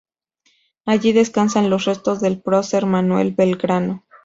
Allí descansan los restos del prócer Manuel Belgrano.